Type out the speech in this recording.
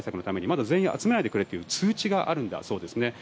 まだ全員集めないでくれという通知があるそうです。